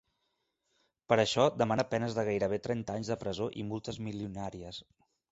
Per això demana penes de gairebé trenta anys de presó i multes milionàries.